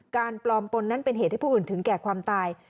การปลอมปนนั้นเป็นเหตุให้ผู้อื่นถึงแก่ความตาย